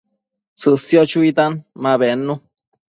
tsësio chuitan ma bednu